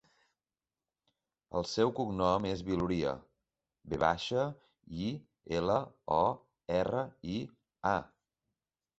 El seu cognom és Viloria: ve baixa, i, ela, o, erra, i, a.